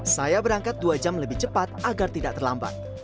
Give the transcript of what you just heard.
saya berangkat dua jam lebih cepat agar tidak terlambat